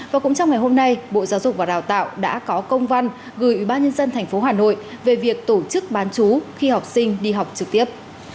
sau ngày hôm nay bộ giáo dục và đào tạo đã có công văn gửi ủy ban nhân dân thành phố hà nội về việc tổ chức bán chú khi học sinh đi học trực tiếp